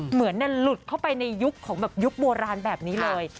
เหมือนหลุดเข้าไปในยุคของแบบยุคโบราณแบบนี้เลย